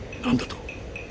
何だと！